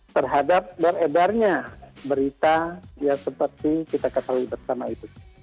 terhadap beredarnya berita seperti yang kita ketahui bersama itu